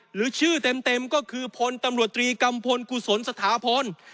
หรือชื่อเต็มก็คือพลตำรวจตรีกัมพลกุศลสถาพล